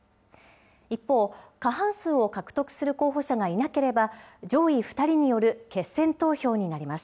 一方、過半数を獲得する候補者がいなければ、上位２人による決選投票になります。